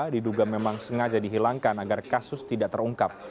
diduga memang sengaja dihilangkan agar kasus tidak terungkap